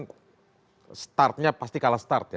prof yusril ini kan startnya pasti kalah start ya